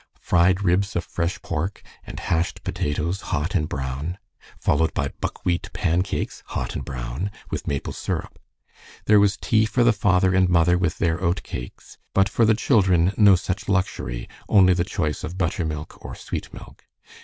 Fried ribs of fresh pork, and hashed potatoes, hot and brown, followed by buckwheat pancakes, hot and brown, with maple syrup. There was tea for the father and mother with their oat cakes, but for the children no such luxury, only the choice of buttermilk or sweet milk.